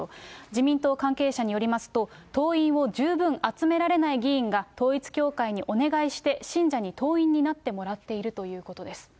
自民党関係者によりますと、党員を十分集められない議員が統一教会にお願いして、信者に党員になってもらっているということです。